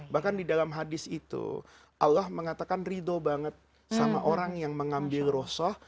bahkan di dalam hadis itu allah mengatakan ridho banget sama orang yang mengambil rosoh